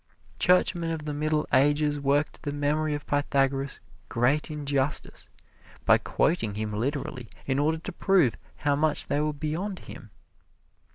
Churchmen of the Middle Ages worked the memory of Pythagoras great injustice by quoting him literally in order to prove how much they were beyond him.